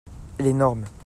L'énorme.